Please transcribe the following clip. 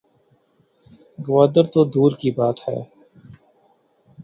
گوادر تو دور کی بات ہے